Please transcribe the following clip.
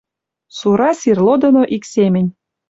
Сура сир ло доно ик семӹнь